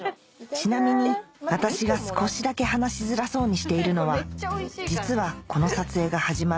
ちなみに私が少しだけ話しづらそうにしているのは実はこの撮影が始まる